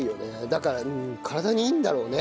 だから体にいいんだろうね。